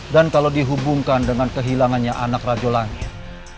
dan kalau dihubungkan dengan kehilangannya anak rajo langit